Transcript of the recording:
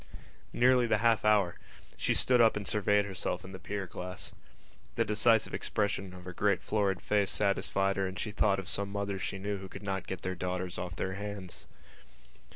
Nearly the half hour! She stood up and surveyed herself in the pier glass. The decisive expression of her great florid face satisfied her and she thought of some mothers she knew who could not get their daughters off their hands.